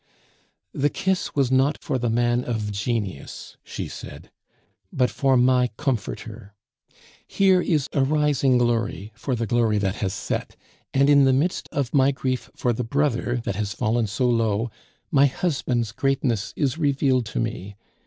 "The kiss was not for the man of genius," she said, "but for my comforter. Here is a rising glory for the glory that has set; and, in the midst of my grief for the brother that has fallen so low, my husband's greatness is revealed to me.